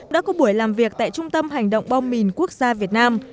đã có buổi làm việc tại trung tâm hành động bom mìn quốc gia việt nam